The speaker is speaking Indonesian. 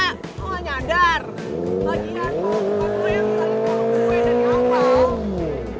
lagian kalau temen temen lo yang terlalu keren sama gue dan nyawal